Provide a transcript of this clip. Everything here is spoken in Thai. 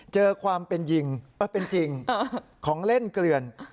เจอความเป็นจริงของเล่นเกลือน